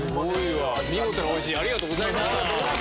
見事な「おいＣ」ありがとうございました！